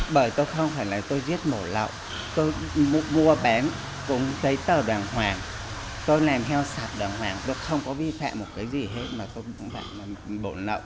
bởi tôi không phải là tôi giết mổ lậu tôi mua bán cũng thấy tờ đoàn hoàng tôi làm heo sạc đoàn hoàng tôi không có vi phạm một cái gì hết mà tôi cũng phải là mổ lậu